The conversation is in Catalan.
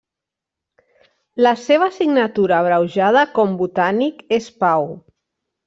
La seva signatura abreujada com botànic és Pau.